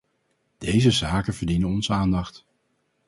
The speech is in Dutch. Deze zaken verdienen onze aandacht.